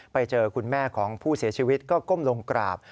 ไปเจอคุณแม่ของผู้เสียชีวิตก็ก้มลงกราบ